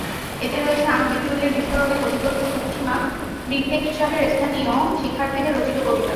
এতে রয়েছে আণবিক চুল্লির বিস্ফোরণে ক্ষতিগ্রস্ত ফুকুশিমা-প্রিফেকচারের স্থানীয় শিক্ষার্থীদের রচিত কবিতা।